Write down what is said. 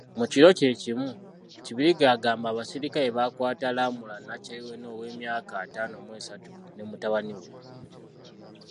Mu kiro kyekimu, Kibirige agamba abasirikale baakwata Lamulah Nakyeyune owemyaka ataano mw'esatu ne mutabani we.